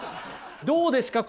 どうですか？